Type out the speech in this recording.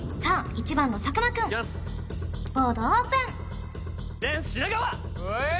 １番の佐久間君ボードオープンデン品川！